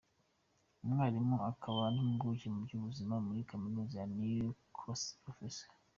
Umwarimu akaba n’impuguke mu by’Ubuzima muri Kaminuza ya Newcastle, Prof.